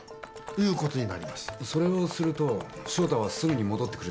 それをすると翔太はすぐに戻ってくるんですか？